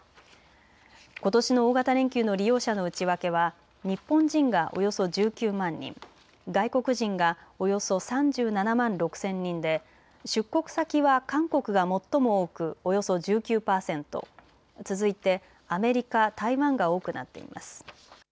ことしの大型連休の利用者の内訳は日本人がおよそ１９万人、外国人がおよそ３７万６０００人で出国先は韓国が最も多くおよそ１９％、続いてアメリカ、台湾が多くなっています。